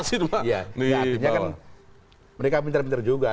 akhirnya kan mereka pintar pintar juga